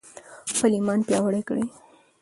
خپل ایمان پیاوړی کړئ.